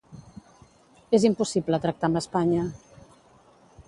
És impossible tractar amb Espanya.